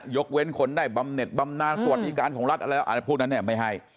ยกเว้นคนได้บำเน็ตบำนานสวัสดิการของรัฐอะไรพวกนั้นเนี่ยไม่ให้